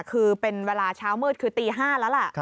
คือเป็นเวลาเช้ามืดคือตี๕แล้วล่ะ